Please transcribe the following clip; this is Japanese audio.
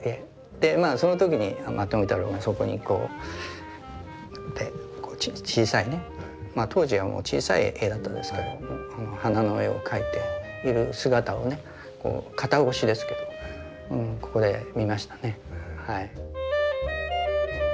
その時に富太郎がそこに小さいね当時は小さい絵だったですけど花の絵を描いている姿をね肩越しですけどここで見ましたね。